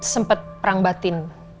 sempat perang batin